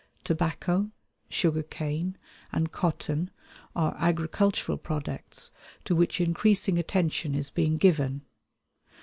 Tobacco, sugar cane, and cotton are agricultural products to which increasing attention is being given.